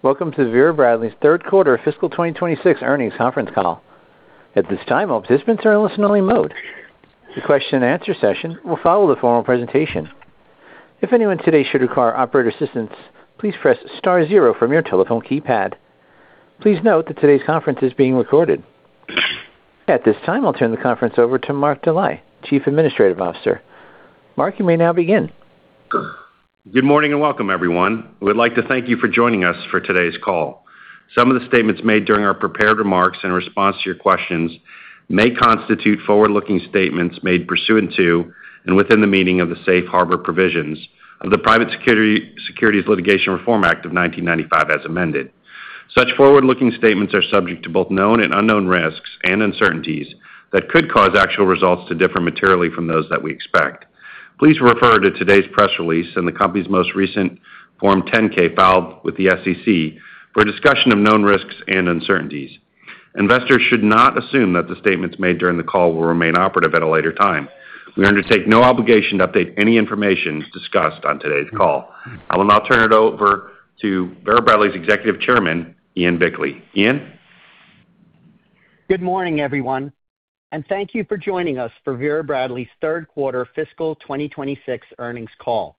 Welcome to Vera Bradley's third quarter fiscal 2026 earnings conference call. At this time, all participants are in listen-only mode. The question-and-answer session will follow the formal presentation. If anyone today should require operator assistance, please press star zero from your telephone keypad. Please note that today's conference is being recorded. At this time, I'll turn the conference over to Mark Dely, Chief Administrative Officer. Mark, you may now begin. Good morning and welcome, everyone. We'd like to thank you for joining us for today's call. Some of the statements made during our prepared remarks in response to your questions may constitute forward-looking statements made pursuant to and within the meaning of the safe harbor provisions of the Private Securities Litigation Reform Act of 1995, as amended. Such forward-looking statements are subject to both known and unknown risks and uncertainties that could cause actual results to differ materially from those that we expect. Please refer to today's press release and the company's most recent Form 10-K filed with the SEC for discussion of known risks and uncertainties. Investors should not assume that the statements made during the call will remain operative at a later time. We undertake no obligation to update any information discussed on today's call. I will now turn it over to Vera Bradley's Executive Chairman, Ian Bickley. Ian? Good morning, everyone, and thank you for joining us for Vera Bradley's third quarter fiscal 2026 earnings call.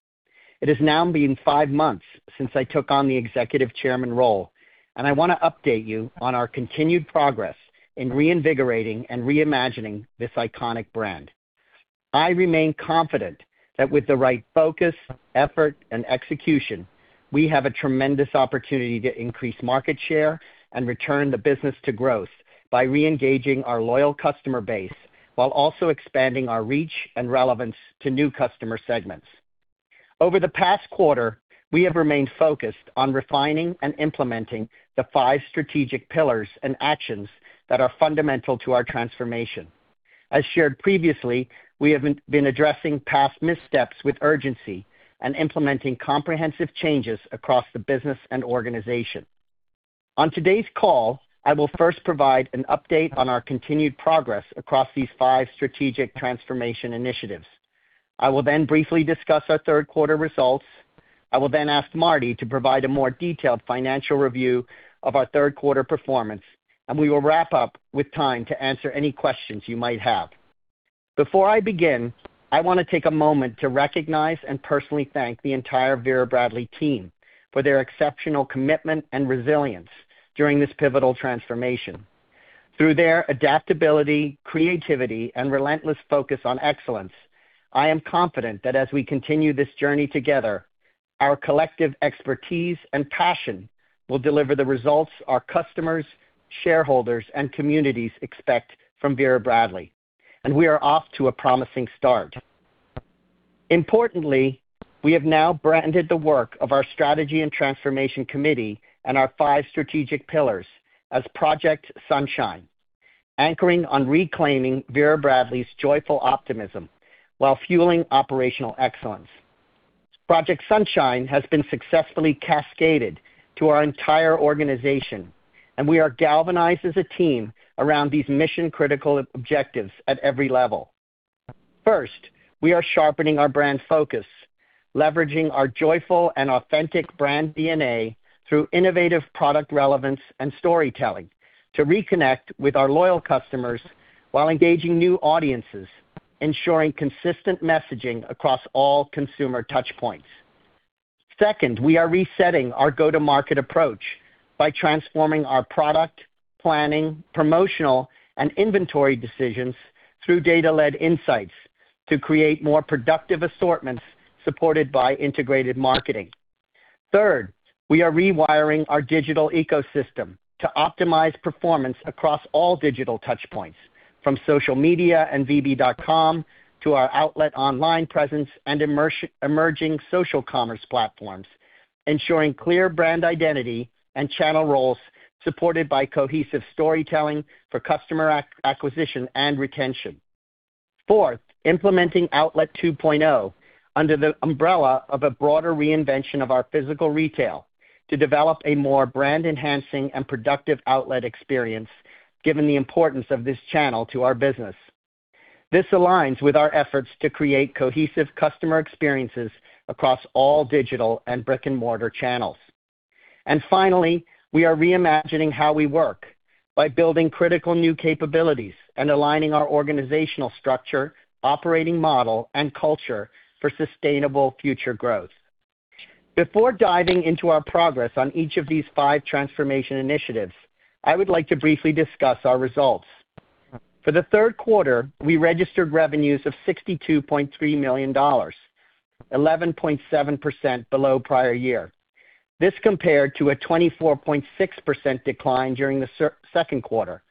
It has now been five months since I took on the Executive Chairman role, and I want to update you on our continued progress in reinvigorating and reimagining this iconic brand. I remain confident that with the right focus, effort, and execution, we have a tremendous opportunity to increase market share and return the business to growth by reengaging our loyal customer base while also expanding our reach and relevance to new customer segments. Over the past quarter, we have remained focused on refining and implementing the five strategic pillars and actions that are fundamental to our transformation. As shared previously, we have been addressing past missteps with urgency and implementing comprehensive changes across the business and organization. On today's call, I will first provide an update on our continued progress across these five strategic transformation initiatives. I will then briefly discuss our third quarter results. I will then ask Marty to provide a more detailed financial review of our third quarter performance, and we will wrap up with time to answer any questions you might have. Before I begin, I want to take a moment to recognize and personally thank the entire Vera Bradley team for their exceptional commitment and resilience during this pivotal transformation. Through their adaptability, creativity, and relentless focus on excellence, I am confident that as we continue this journey together, our collective expertise and passion will deliver the results our customers, shareholders, and communities expect from Vera Bradley, and we are off to a promising start. Importantly, we have now branded the work of our Strategy and Transformation Committee and our five strategic pillars as Project Sunshine, anchoring on reclaiming Vera Bradley's joyful optimism while fueling operational excellence. Project Sunshine has been successfully cascaded to our entire organization, and we are galvanized as a team around these mission-critical objectives at every level. First, we are sharpening our brand focus, leveraging our joyful and authentic brand DNA through innovative product relevance and storytelling to reconnect with our loyal customers while engaging new audiences, ensuring consistent messaging across all consumer touchpoints. Second, we are resetting our go-to-market approach by transforming our product, planning, promotional, and inventory decisions through data-led insights to create more productive assortments supported by integrated marketing. Third, we are rewiring our digital ecosystem to optimize performance across all digital touchpoints, from social media and VB.com to our outlet online presence and emerging social commerce platforms, ensuring clear brand identity and channel roles supported by cohesive storytelling for customer acquisition and retention. Fourth, implementing Outlet 2.0 under the umbrella of a broader reinvention of our physical retail to develop a more brand-enhancing and productive outlet experience, given the importance of this channel to our business. This aligns with our efforts to create cohesive customer experiences across all digital and brick-and-mortar channels. And finally, we are reimagining how we work by building critical new capabilities and aligning our organizational structure, operating model, and culture for sustainable future growth. Before diving into our progress on each of these five transformation initiatives, I would like to briefly discuss our results. For the third quarter, we registered revenues of $62.3 million, 11.7% below prior year. This compared to a 24.6% decline during the second quarter.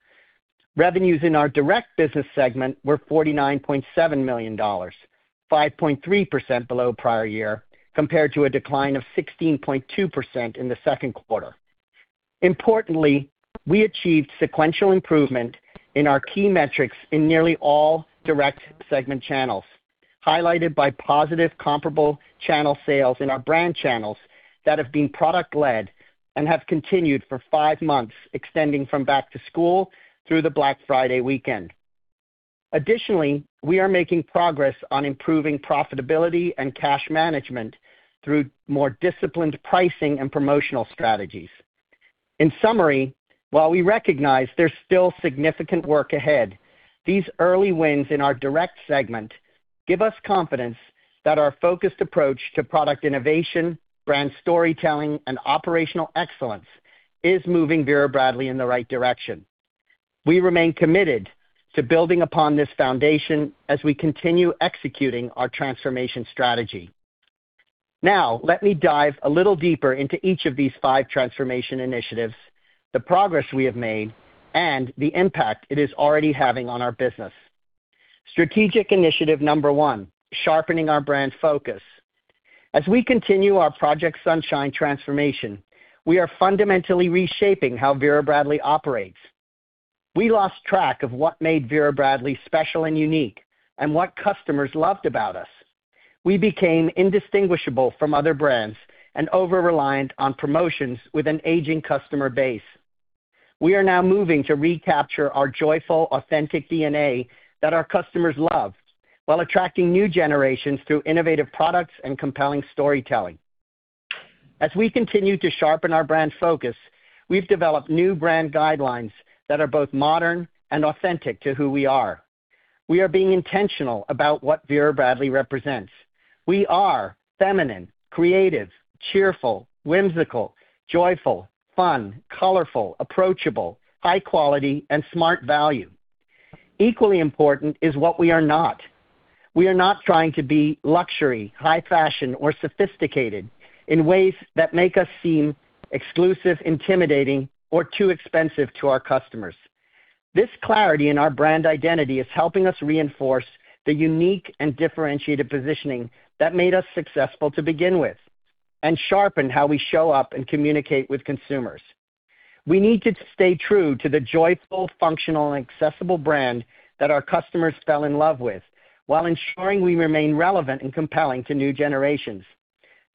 Revenues in our direct business segment were $49.7 million, 5.3% below prior year, compared to a decline of 16.2% in the second quarter. Importantly, we achieved sequential improvement in our key metrics in nearly all direct segment channels, highlighted by positive comparable channel sales in our brand channels that have been product-led and have continued for five months, extending from back to school through the Black Friday weekend. Additionally, we are making progress on improving profitability and cash management through more disciplined pricing and promotional strategies. In summary, while we recognize there's still significant work ahead, these early wins in our direct segment give us confidence that our focused approach to product innovation, brand storytelling, and operational excellence is moving Vera Bradley in the right direction. We remain committed to building upon this foundation as we continue executing our transformation strategy. Now, let me dive a little deeper into each of these five transformation initiatives, the progress we have made, and the impact it is already having on our business. Strategic initiative number one: sharpening our brand focus. As we continue our Project Sunshine transformation, we are fundamentally reshaping how Vera Bradley operates. We lost track of what made Vera Bradley special and unique and what customers loved about us. We became indistinguishable from other brands and over-reliant on promotions with an aging customer base. We are now moving to recapture our joyful, authentic DNA that our customers love while attracting new generations through innovative products and compelling storytelling. As we continue to sharpen our brand focus, we've developed new brand guidelines that are both modern and authentic to who we are. We are being intentional about what Vera Bradley represents. We are feminine, creative, cheerful, whimsical, joyful, fun, colorful, approachable, high quality, and smart value. Equally important is what we are not. We are not trying to be luxury, high fashion, or sophisticated in ways that make us seem exclusive, intimidating, or too expensive to our customers. This clarity in our brand identity is helping us reinforce the unique and differentiated positioning that made us successful to begin with and sharpen how we show up and communicate with consumers. We need to stay true to the joyful, functional, and accessible brand that our customers fell in love with while ensuring we remain relevant and compelling to new generations.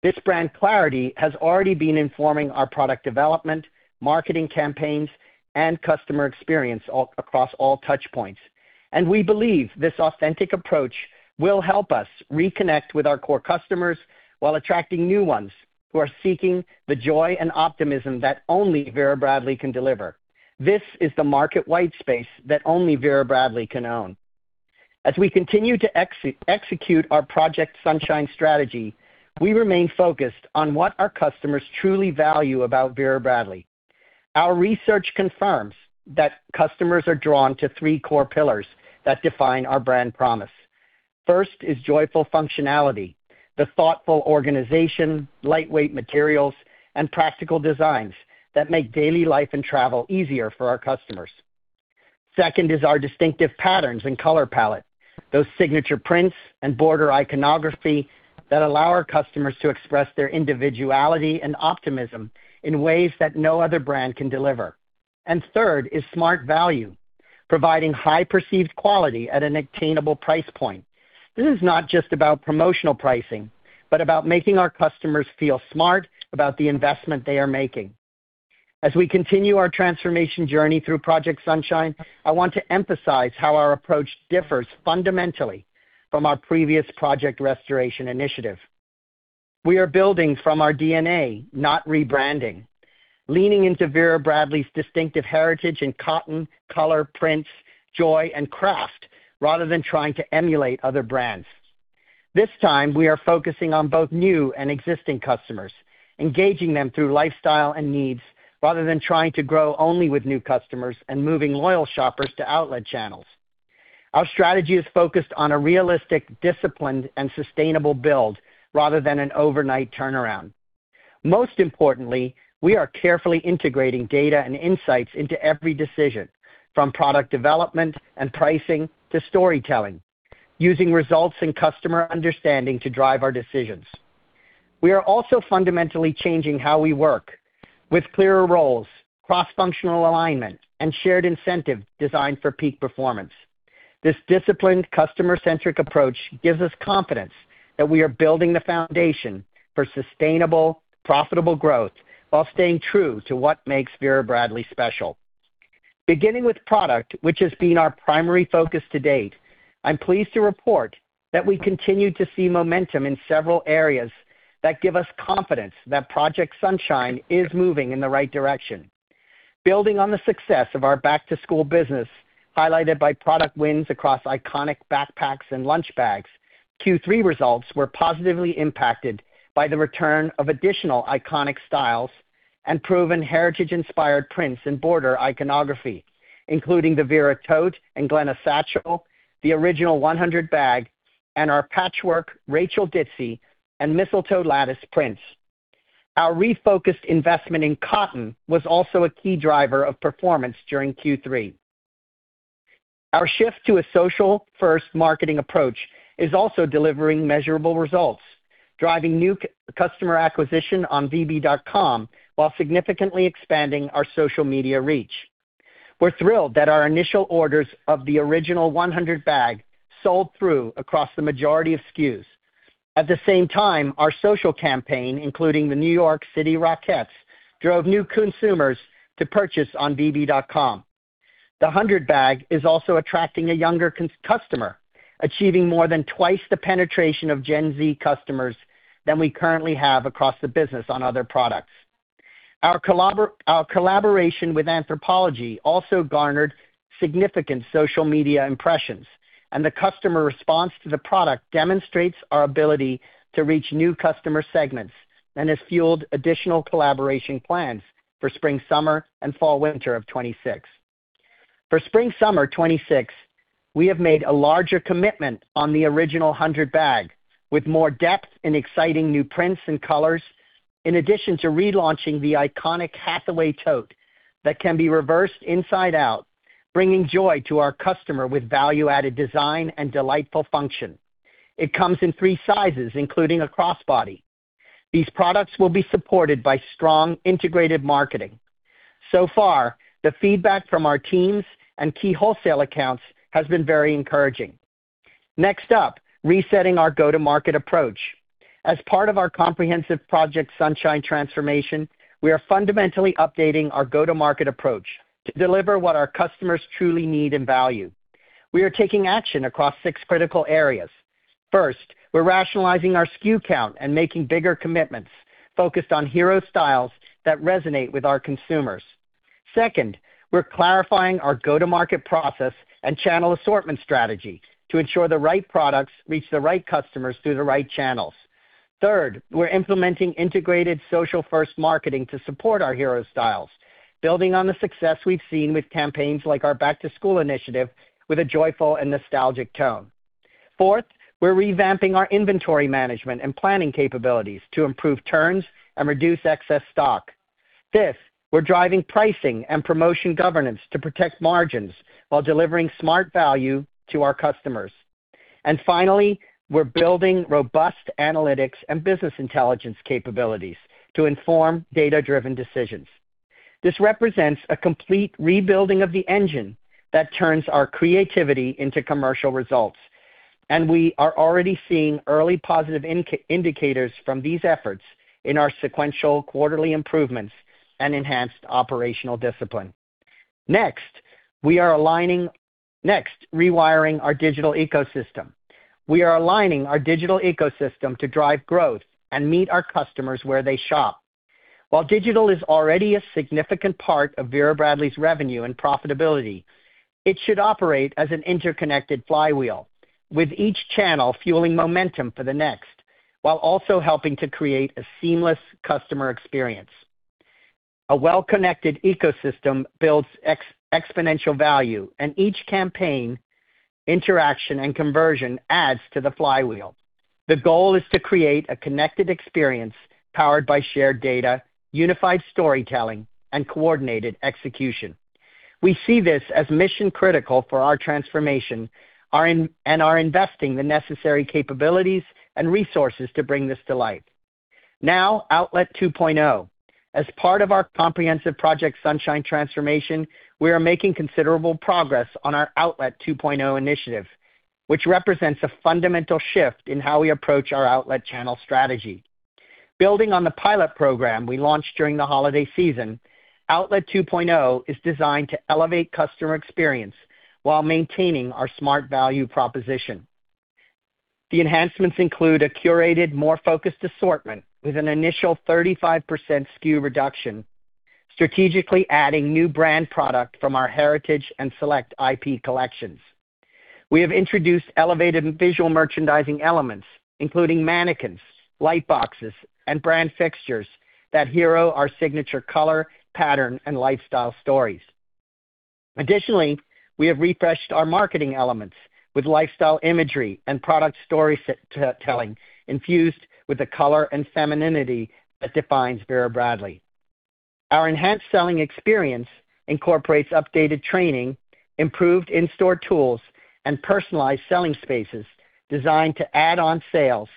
This brand clarity has already been informing our product development, marketing campaigns, and customer experience across all touchpoints, and we believe this authentic approach will help us reconnect with our core customers while attracting new ones who are seeking the joy and optimism that only Vera Bradley can deliver. This is the market white space that only Vera Bradley can own. As we continue to execute our Project Sunshine strategy, we remain focused on what our customers truly value about Vera Bradley. Our research confirms that customers are drawn to three core pillars that define our brand promise. First is joyful functionality: the thoughtful organization, lightweight materials, and practical designs that make daily life and travel easier for our customers. Second is our distinctive patterns and color palette: those signature prints and border iconography that allow our customers to express their individuality and optimism in ways that no other brand can deliver. And third is smart value: providing high perceived quality at an attainable price point. This is not just about promotional pricing, but about making our customers feel smart about the investment they are making. As we continue our transformation journey through Project Sunshine, I want to emphasize how our approach differs fundamentally from our previous Project Restoration initiative. We are building from our DNA, not rebranding, leaning into Vera Bradley's distinctive heritage in cotton, color, prints, joy, and craft, rather than trying to emulate other brands. This time, we are focusing on both new and existing customers, engaging them through lifestyle and needs rather than trying to grow only with new customers and moving loyal shoppers to outlet channels. Our strategy is focused on a realistic, disciplined, and sustainable build rather than an overnight turnaround. Most importantly, we are carefully integrating data and insights into every decision, from product development and pricing to storytelling, using results and customer understanding to drive our decisions. We are also fundamentally changing how we work with clearer roles, cross-functional alignment, and shared incentive designed for peak performance. This disciplined, customer-centric approach gives us confidence that we are building the foundation for sustainable, profitable growth while staying true to what makes Vera Bradley special. Beginning with product, which has been our primary focus to date, I'm pleased to report that we continue to see momentum in several areas that give us confidence that Project Sunshine is moving in the right direction. Building on the success of our back-to-school business, highlighted by product wins across iconic backpacks and lunch bags, Q3 results were positively impacted by the return of additional iconic styles and proven heritage-inspired prints and border iconography, including the Vera Tote and Glenna Satchel, the Original 100 bag, and our patchwork Rachel Ditsy and Mistletoe Lattice prints. Our refocused investment in cotton was also a key driver of performance during Q3. Our shift to a social-first marketing approach is also delivering measurable results, driving new customer acquisition on VB.com while significantly expanding our social media reach. We're thrilled that our initial orders of the Original 100 bag sold through across the majority of SKUs. At the same time, our social campaign, including the Radio City Rockettes, drove new consumers to purchase on VB.com. The 100 bag is also attracting a younger customer, achieving more than twice the penetration of Gen Z customers than we currently have across the business on other products. Our collaboration with Anthropologie also garnered significant social media impressions, and the customer response to the product demonstrates our ability to reach new customer segments and has fueled additional collaboration plans for Spring, Summer, and Fall/Winter of 2026. For spring, summer, 2026, we have made a larger commitment on the Original 100 bag, with more depth and exciting new prints and colors, in addition to relaunching the iconic Hathaway Tote that can be reversed inside out, bringing joy to our customer with value-added design and delightful function. It comes in three sizes, including a crossbody. These products will be supported by strong integrated marketing. So far, the feedback from our teams and key wholesale accounts has been very encouraging. Next up, resetting our go-to-market approach. As part of our comprehensive Project Sunshine transformation, we are fundamentally updating our go-to-market approach to deliver what our customers truly need and value. We are taking action across six critical areas. First, we're rationalizing our SKU count and making bigger commitments focused on hero styles that resonate with our consumers. Second, we're clarifying our go-to-market process and channel assortment strategy to ensure the right products reach the right customers through the right channels. Third, we're implementing integrated social-first marketing to support our hero styles, building on the success we've seen with campaigns like our back-to-school initiative with a joyful and nostalgic tone. Fourth, we're revamping our inventory management and planning capabilities to improve turns and reduce excess stock. Fifth, we're driving pricing and promotion governance to protect margins while delivering smart value to our customers. And finally, we're building robust analytics and business intelligence capabilities to inform data-driven decisions. This represents a complete rebuilding of the engine that turns our creativity into commercial results, and we are already seeing early positive indicators from these efforts in our sequential quarterly improvements and enhanced operational discipline. Next, rewiring our digital ecosystem. We are aligning our digital ecosystem to drive growth and meet our customers where they shop. While digital is already a significant part of Vera Bradley's revenue and profitability, it should operate as an interconnected flywheel, with each channel fueling momentum for the next while also helping to create a seamless customer experience. A well-connected ecosystem builds exponential value, and each campaign, interaction, and conversion adds to the flywheel. The goal is to create a connected experience powered by shared data, unified storytelling, and coordinated execution. We see this as mission-critical for our transformation and are investing the necessary capabilities and resources to bring this to light. Now, Outlet 2.0. As part of our comprehensive Project Sunshine transformation, we are making considerable progress on our Outlet 2.0 initiative, which represents a fundamental shift in how we approach our outlet channel strategy. Building on the pilot program we launched during the holiday season, Outlet 2.0 is designed to elevate customer experience while maintaining our smart value proposition. The enhancements include a curated, more focused assortment with an initial 35% SKU reduction, strategically adding new brand product from our heritage and select IP collections. We have introduced elevated visual merchandising elements, including mannequins, lightboxes, and brand fixtures that hero our signature color, pattern, and lifestyle stories. Additionally, we have refreshed our marketing elements with lifestyle imagery and product storytelling infused with the color and femininity that defines Vera Bradley. Our enhanced selling experience incorporates updated training, improved in-store tools, and personalized selling spaces designed to add-on sales.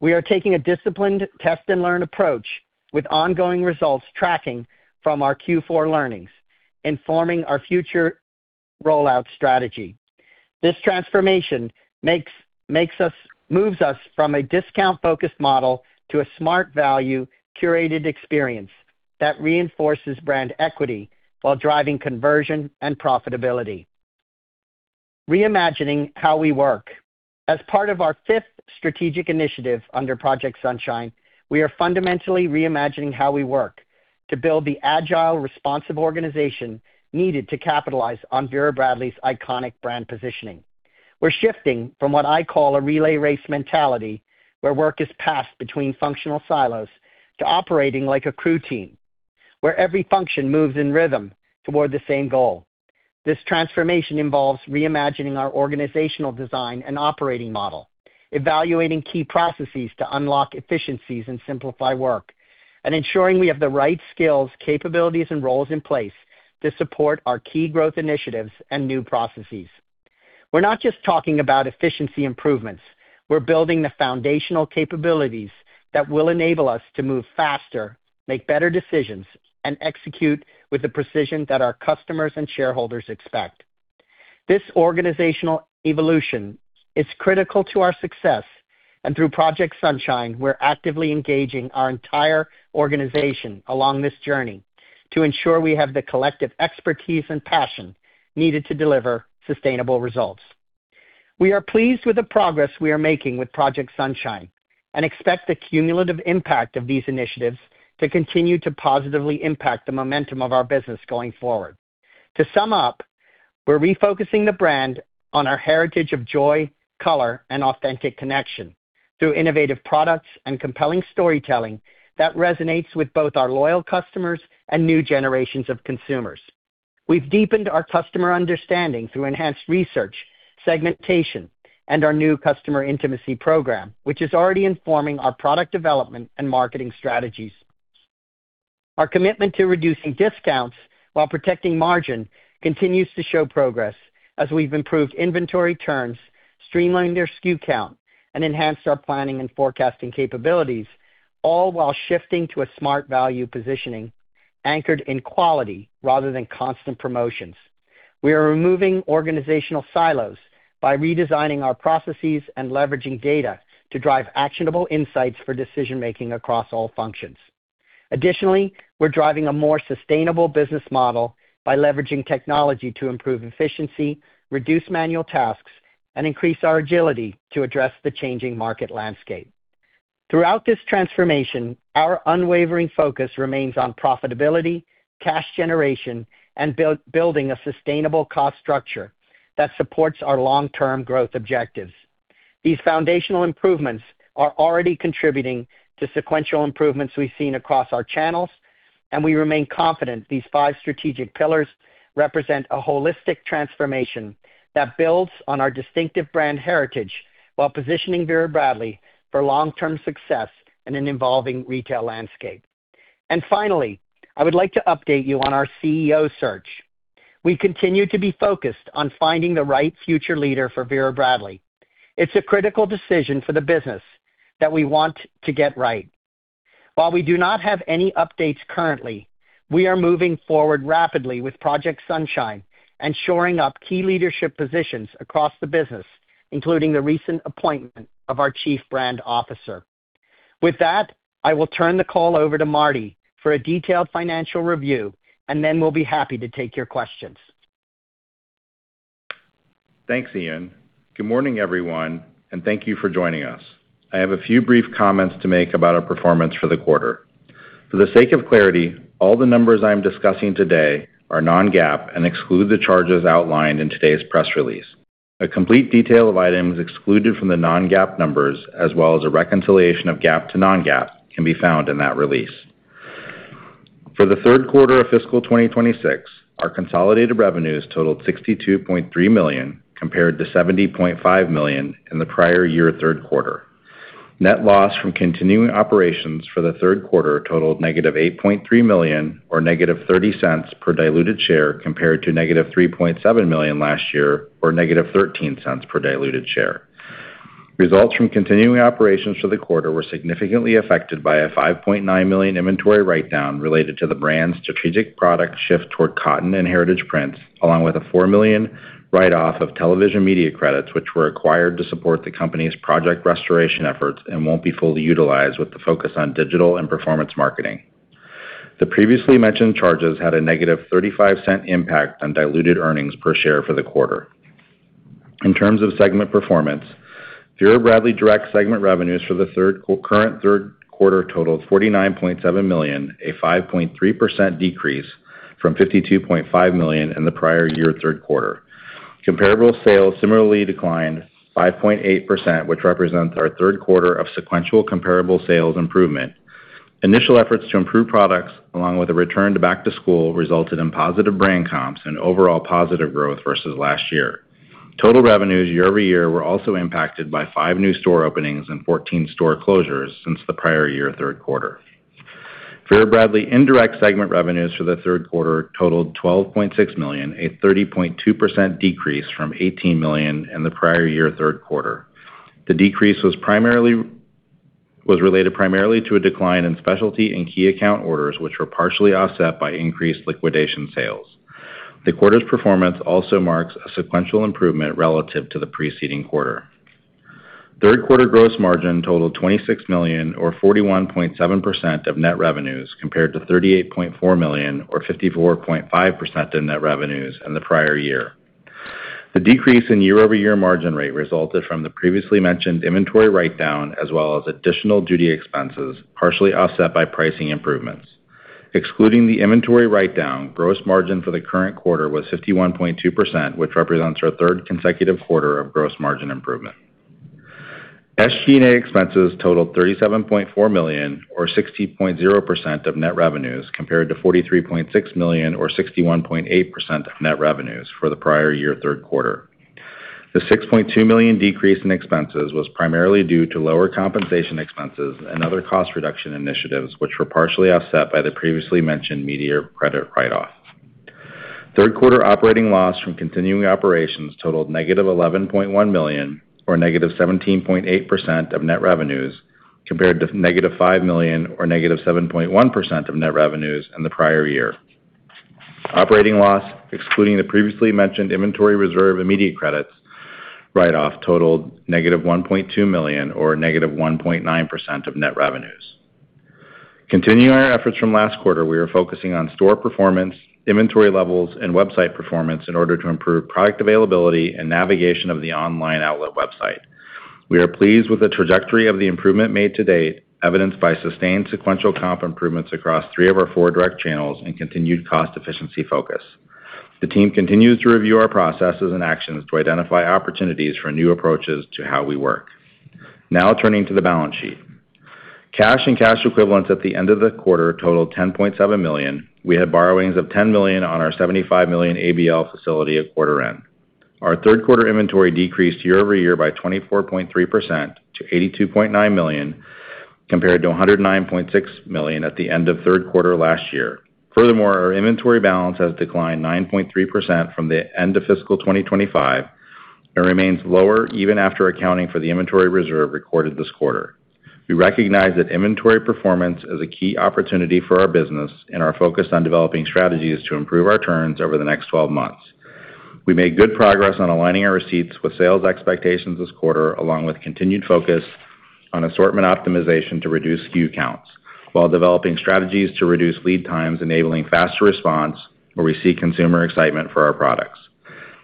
We are taking a disciplined test-and-learn approach with ongoing results tracking from our Q4 learnings, informing our future rollout strategy. This transformation moves us from a discount-focused model to a smart value, curated experience that reinforces brand equity while driving conversion and profitability. Reimagining how we work. As part of our fifth strategic initiative under Project Sunshine, we are fundamentally reimagining how we work to build the agile, responsive organization needed to capitalize on Vera Bradley's iconic brand positioning. We're shifting from what I call a relay race mentality, where work is passed between functional silos, to operating like a crew team, where every function moves in rhythm toward the same goal. This transformation involves reimagining our organizational design and operating model, evaluating key processes to unlock efficiencies and simplify work, and ensuring we have the right skills, capabilities, and roles in place to support our key growth initiatives and new processes. We're not just talking about efficiency improvements. We're building the foundational capabilities that will enable us to move faster, make better decisions, and execute with the precision that our customers and shareholders expect. This organizational evolution is critical to our success, and through Project Sunshine, we're actively engaging our entire organization along this journey to ensure we have the collective expertise and passion needed to deliver sustainable results. We are pleased with the progress we are making with Project Sunshine and expect the cumulative impact of these initiatives to continue to positively impact the momentum of our business going forward. To sum up, we're refocusing the brand on our heritage of joy, color, and authentic connection through innovative products and compelling storytelling that resonates with both our loyal customers and new generations of consumers. We've deepened our customer understanding through enhanced research, segmentation, and our new customer intimacy program, which is already informing our product development and marketing strategies. Our commitment to reducing discounts while protecting margin continues to show progress as we've improved inventory turns, streamlined our SKU count, and enhanced our planning and forecasting capabilities, all while shifting to a smart value positioning anchored in quality rather than constant promotions. We are removing organizational silos by redesigning our processes and leveraging data to drive actionable insights for decision-making across all functions. Additionally, we're driving a more sustainable business model by leveraging technology to improve efficiency, reduce manual tasks, and increase our agility to address the changing market landscape. Throughout this transformation, our unwavering focus remains on profitability, cash generation, and building a sustainable cost structure that supports our long-term growth objectives. These foundational improvements are already contributing to sequential improvements we've seen across our channels, and we remain confident these five strategic pillars represent a holistic transformation that builds on our distinctive brand heritage while positioning Vera Bradley for long-term success in an evolving retail landscape, and finally, I would like to update you on our CEO search. We continue to be focused on finding the right future leader for Vera Bradley. It's a critical decision for the business that we want to get right. While we do not have any updates currently, we are moving forward rapidly with Project Sunshine, ensuring key leadership positions across the business, including the recent appointment of our Chief Brand Officer. With that, I will turn the call over to Marty for a detailed financial review, and then we'll be happy to take your questions. Thanks, Ian. Good morning, everyone, and thank you for joining us. I have a few brief comments to make about our performance for the quarter. For the sake of clarity, all the numbers I'm discussing today are non-GAAP and exclude the charges outlined in today's press release. A complete detail of items excluded from the non-GAAP numbers, as well as a reconciliation of GAAP to non-GAAP, can be found in that release. For the third quarter of fiscal 2026, our consolidated revenues totaled $62.3 million compared to $70.5 million in the prior year third quarter. Net loss from continuing operations for the third quarter totaled -$8.3 million or -$0.30 per diluted share compared to -$3.7 million last year or -$0.13 per diluted share. Results from continuing operations for the quarter were significantly affected by a $5.9 million inventory write-down related to the brand's strategic product shift toward cotton and heritage prints, along with a $4 million write-off of television media credits, which were acquired to support the company's Project Restoration efforts and won't be fully utilized with the focus on digital and performance marketing. The previously mentioned charges had a -$0.35 impact on diluted earnings per share for the quarter. In terms of segment performance, Vera Bradley Direct segment revenues for the current third quarter totaled $49.7 million, a 5.3% decrease from $52.5 million in the prior year third quarter. Comparable sales similarly declined 5.8%, which represents our third quarter of sequential comparable sales improvement. Initial efforts to improve products, along with a return to back-to-school, resulted in positive brand comps and overall positive growth versus last year. Total revenues year-over-year were also impacted by five new store openings and 14 store closures since the prior year third quarter. Vera Bradley Indirect segment revenues for the third quarter totaled $12.6 million, a 30.2% decrease from $18 million in the prior year third quarter. The decrease was related primarily to a decline in specialty and key account orders, which were partially offset by increased liquidation sales. The quarter's performance also marks a sequential improvement relative to the preceding quarter. Third quarter gross margin totaled $26 million, or 41.7% of net revenues, compared to $38.4 million, or 54.5% of net revenues in the prior year. The decrease in year-over-year margin rate resulted from the previously mentioned inventory write-down, as well as additional duty expenses partially offset by pricing improvements. Excluding the inventory write-down, gross margin for the current quarter was 51.2%, which represents our third consecutive quarter of gross margin improvement. SG&A expenses totaled $37.4 million, or 60.0% of net revenues, compared to $43.6 million, or 61.8% of net revenues for the prior year third quarter. The $6.2 million decrease in expenses was primarily due to lower compensation expenses and other cost reduction initiatives, which were partially offset by the previously mentioned media credit write-off. Third quarter operating loss from continuing operations totaled -$11.1 million, or -17.8% of net revenues, compared to -$5 million, or -7.1% of net revenues in the prior year. Operating loss, excluding the previously mentioned inventory reserve media credits write-off, totaled -$1.2 million, or -1.9% of net revenues. Continuing our efforts from last quarter, we are focusing on store performance, inventory levels, and website performance in order to improve product availability and navigation of the online outlet website. We are pleased with the trajectory of the improvement made to date, evidenced by sustained sequential comp improvements across three of our four direct channels and continued cost efficiency focus. The team continues to review our processes and actions to identify opportunities for new approaches to how we work. Now turning to the balance sheet. Cash and cash equivalents at the end of the quarter totaled $10.7 million. We had borrowings of $10 million on our $75 million ABL facility at quarter end. Our third quarter inventory decreased year-over-year by 24.3% to $82.9 million, compared to $109.6 million at the end of third quarter last year. Furthermore, our inventory balance has declined 9.3% from the end of fiscal 2025 and remains lower even after accounting for the inventory reserve recorded this quarter. We recognize that inventory performance is a key opportunity for our business and are focused on developing strategies to improve our turns over the next 12 months. We made good progress on aligning our receipts with sales expectations this quarter, along with continued focus on assortment optimization to reduce SKU counts, while developing strategies to reduce lead times, enabling faster response where we see consumer excitement for our products.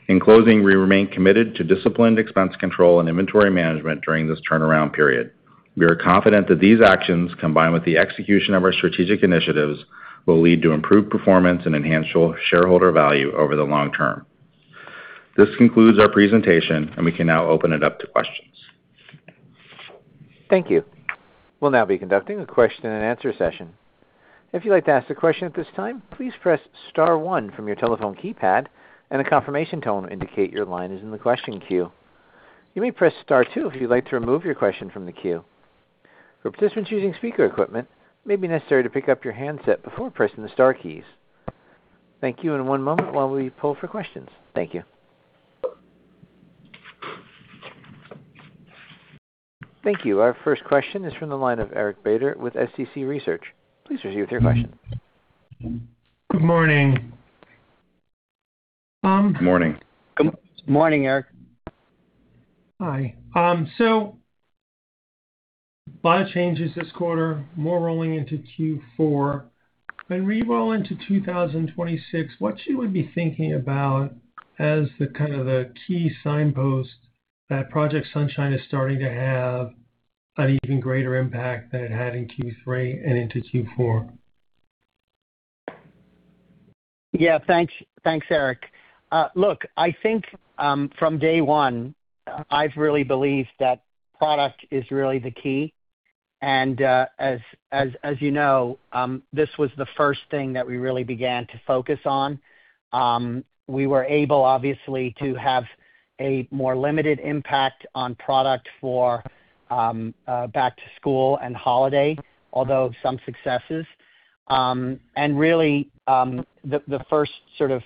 In closing, we remain committed to disciplined expense control and inventory management during this turnaround period. We are confident that these actions, combined with the execution of our strategic initiatives, will lead to improved performance and enhanced shareholder value over the long term. This concludes our presentation, and we can now open it up to questions. Thank you. We'll now be conducting a question-and-answer session. If you'd like to ask a question at this time, please press star one from your telephone keypad, and a confirmation tone will indicate your line is in the question queue. You may press star two if you'd like to remove your question from the queue. For participants using speaker equipment, it may be necessary to pick up your handset before pressing the star keys. Thank you, and one moment while we pull for questions. Thank you. Thank you. Our first question is from the line of Eric Beder with Small Cap Consumer Research. Please proceed with your question. Good morning. Good morning. Good morning, Eric. Hi. So a lot of changes this quarter, more rolling into Q4. When we roll into 2026, what should we be thinking about as the kind of the key signpost that Project Sunshine is starting to have an even greater impact than it had in Q3 and into Q4? Yeah. Thanks, Eric. Look, I think from day one, I've really believed that product is really the key. And as you know, this was the first thing that we really began to focus on. We were able, obviously, to have a more limited impact on product for back-to-school and holiday, although some successes. And really, the first sort of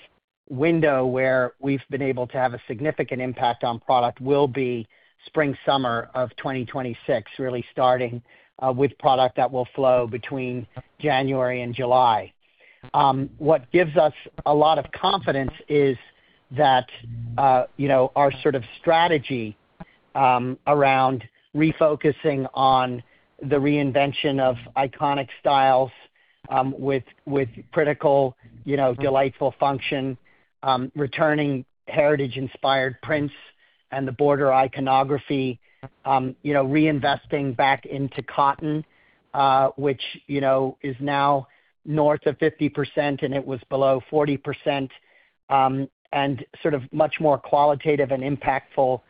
window where we've been able to have a significant impact on product will be spring-summer of 2026, really starting with product that will flow between January and July. What gives us a lot of confidence is that our sort of strategy around refocusing on the reinvention of iconic styles with critical, delightful function, returning heritage-inspired prints and the border iconography, reinvesting back into cotton, which is now north of 50%, and it was below 40%, and sort of much more qualitative and impactful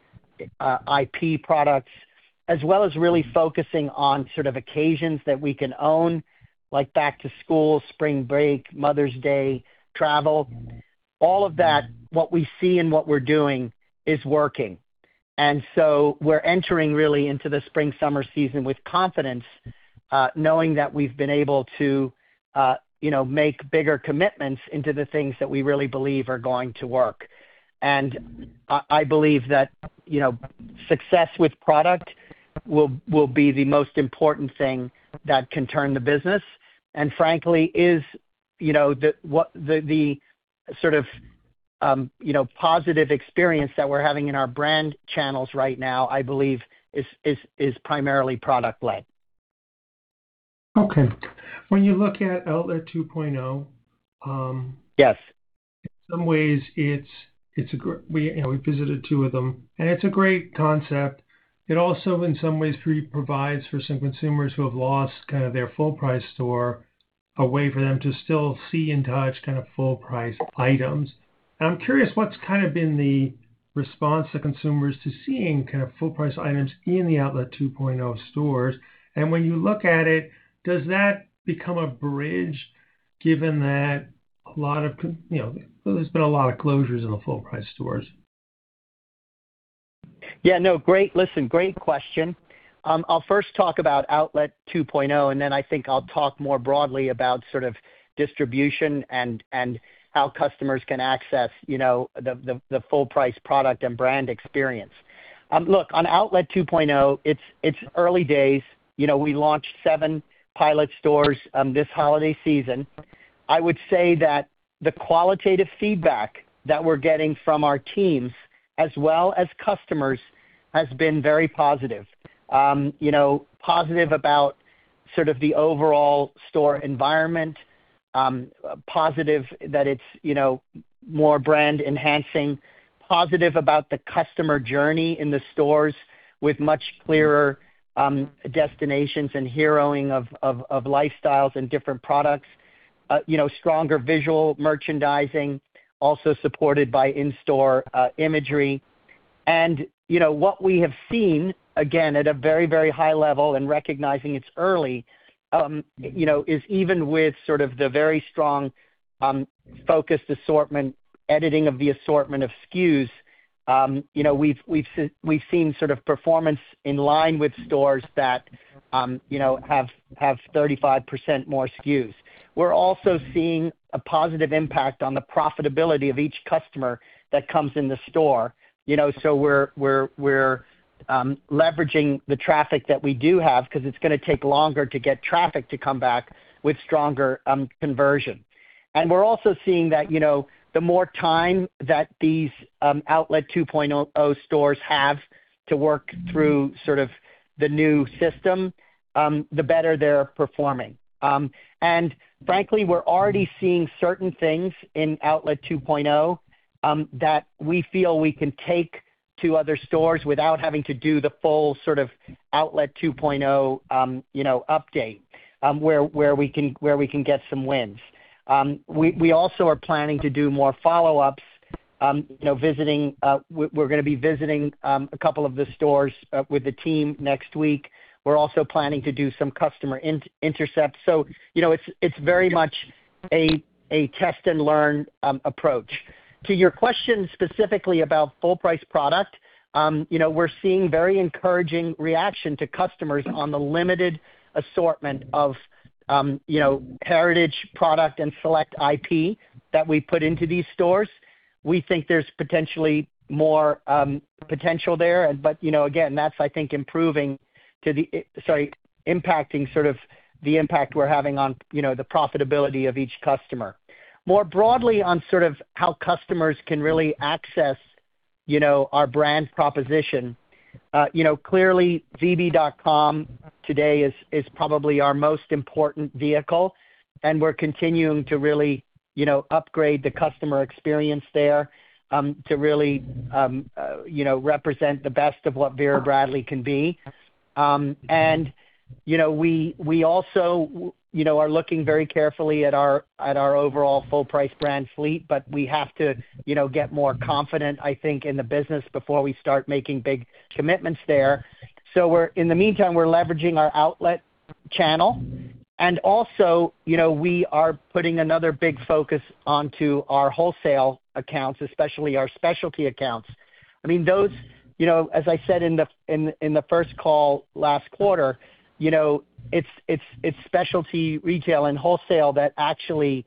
IP products, as well as really focusing on sort of occasions that we can own, like back-to-school, spring break, Mother's Day, travel. All of that, what we see and what we're doing is working, and so we're entering really into the spring-summer season with confidence, knowing that we've been able to make bigger commitments into the things that we really believe are going to work. I believe that success with product will be the most important thing that can turn the business and, frankly, is the sort of positive experience that we're having in our brand channels right now. I believe is primarily product-led. Okay. When you look at Outlet 2.0. Yes. In some ways, it's great. We've visited two of them, and it's a great concept. It also, in some ways, provides, for some consumers who have lost kind of their full-price store, a way for them to still see and touch kind of full-price items. I'm curious what's kind of been the response to consumers to seeing kind of full-price items in the Outlet 2.0 stores. When you look at it, does that become a bridge given that there's been a lot of closures in the full-price stores? Yeah. No. Listen, great question. I'll first talk about Outlet 2.0, and then I think I'll talk more broadly about sort of distribution and how customers can access the full-price product and brand experience. Look, on Outlet 2.0, it's early days. We launched seven pilot stores this holiday season. I would say that the qualitative feedback that we're getting from our teams, as well as customers, has been very positive. Positive about sort of the overall store environment, positive that it's more brand-enhancing, positive about the customer journey in the stores with much clearer destinations and heroing of lifestyles and different products, stronger visual merchandising, also supported by in-store imagery. What we have seen, again, at a very, very high level and recognizing it's early, is even with sort of the very strong focused assortment, editing of the assortment of SKUs, we've seen sort of performance in line with stores that have 35% more SKUs. We're also seeing a positive impact on the profitability of each customer that comes in the store. So we're leveraging the traffic that we do have because it's going to take longer to get traffic to come back with stronger conversion. And we're also seeing that the more time that these Outlet 2.0 stores have to work through sort of the new system, the better they're performing. And frankly, we're already seeing certain things in Outlet 2.0 that we feel we can take to other stores without having to do the full sort of Outlet 2.0 update, where we can get some wins. We also are planning to do more follow-ups. We're going to be visiting a couple of the stores with the team next week. We're also planning to do some customer intercept, so it's very much a test-and-learn approach. To your question specifically about full-price product, we're seeing very encouraging reaction to customers on the limited assortment of heritage product and select IP that we put into these stores. We think there's potentially more potential there, but again, that's, I think, impacting sort of the impact we're having on the profitability of each customer. More broadly on sort of how customers can really access our brand proposition, clearly, VB.com today is probably our most important vehicle, and we're continuing to really upgrade the customer experience there to really represent the best of what Vera Bradley can be. And we also are looking very carefully at our overall full-price brand fleet, but we have to get more confident, I think, in the business before we start making big commitments there. So in the meantime, we're leveraging our outlet channel. And also, we are putting another big focus onto our wholesale accounts, especially our specialty accounts. I mean, those, as I said in the first call last quarter, it's specialty retail and wholesale that actually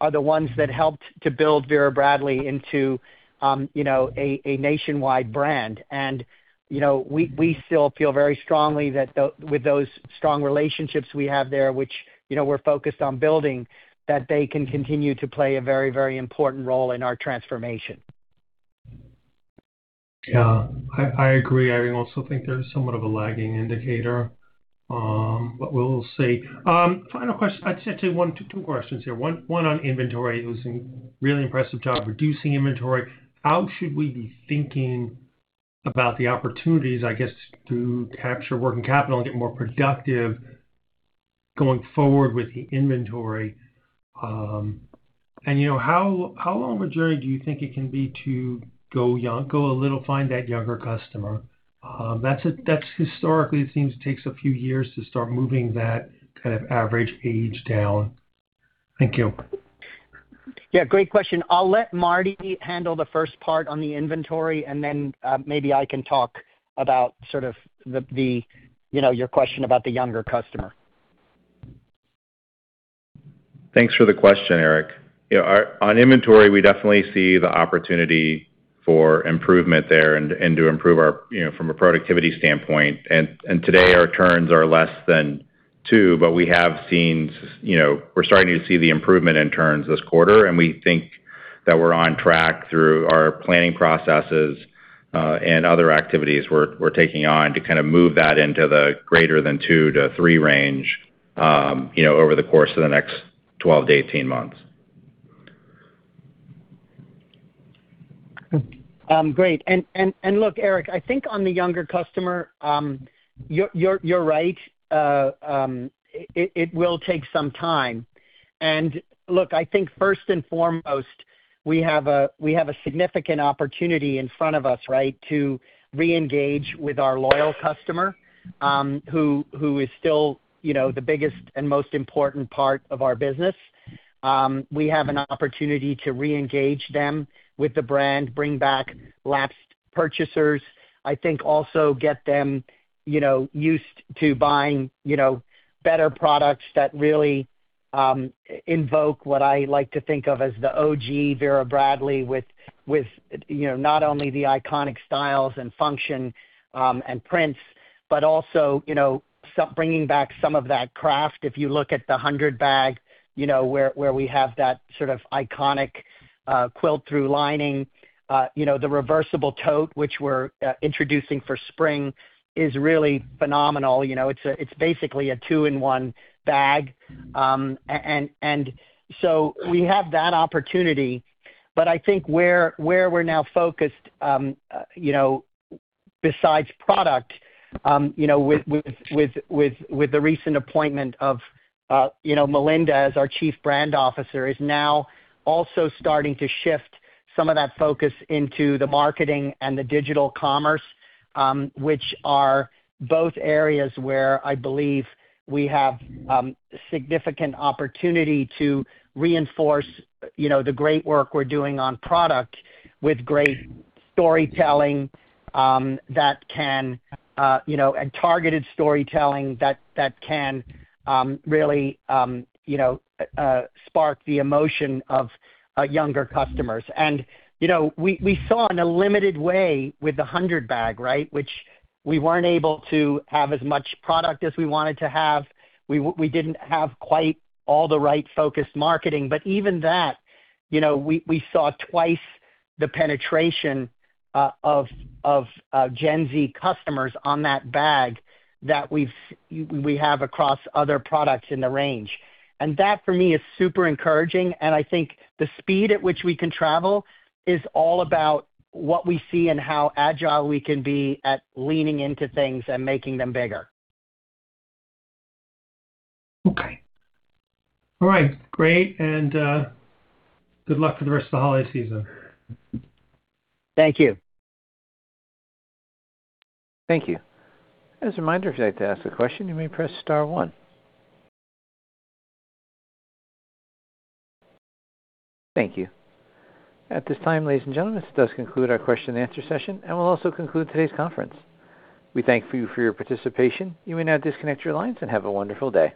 are the ones that helped to build Vera Bradley into a nationwide brand. And we still feel very strongly that with those strong relationships we have there, which we're focused on building, that they can continue to play a very, very important role in our transformation. Yeah. I agree. I also think there's somewhat of a lagging indicator, but we'll see. Final question. I'd say two questions here. One on inventory. It was a really impressive job reducing inventory. How should we be thinking about the opportunities, I guess, to capture working capital and get more productive going forward with the inventory? And how long of a journey do you think it can be to go and find that younger customer? Historically, it seems it takes a few years to start moving that kind of average age down. Thank you. Yeah. Great question. I'll let Marty handle the first part on the inventory, and then maybe I can talk about sort of your question about the younger customer. Thanks for the question, Eric. On inventory, we definitely see the opportunity for improvement there and to improve our inventory from a productivity standpoint, and today, our turns are less than two, but we have seen we're starting to see the improvement in turns this quarter, and we think that we're on track through our planning processes and other activities we're taking on to kind of move that into the greater than two to three range over the course of the next 12-18 months. Great. And look, Eric, I think on the younger customer, you're right. It will take some time. And look, I think first and foremost, we have a significant opportunity in front of us, right, to reengage with our loyal customer who is still the biggest and most important part of our business. We have an opportunity to reengage them with the brand, bring back lapsed purchasers. I think also get them used to buying better products that really invoke what I like to think of as the OG Vera Bradley with not only the iconic styles and function and prints, but also bringing back some of that craft. If you look at the 100 bag where we have that sort of iconic quilt-through lining, the reversible tote, which we're introducing for spring, is really phenomenal. It's basically a two-in-one bag. And so we have that opportunity. But I think where we're now focused, besides product, with the recent appointment of Melinda as our Chief Brand Officer, is now also starting to shift some of that focus into the marketing and the digital commerce, which are both areas where I believe we have significant opportunity to reinforce the great work we're doing on product with great storytelling that can and targeted storytelling that can really spark the emotion of younger customers. And we saw in a limited way with the 100 bag, right, which we weren't able to have as much product as we wanted to have. We didn't have quite all the right focused marketing. But even that, we saw twice the penetration of Gen Z customers on that bag that we have across other products in the range. And that, for me, is super encouraging. I think the speed at which we can travel is all about what we see and how agile we can be at leaning into things and making them bigger. Okay. All right. Great, and good luck for the rest of the holiday season. Thank you. Thank you. As a reminder, if you'd like to ask a question, you may press star one. Thank you. At this time, ladies and gentlemen, this does conclude our question-and-answer session, and we'll also conclude today's conference. We thank you for your participation. You may now disconnect your lines and have a wonderful day.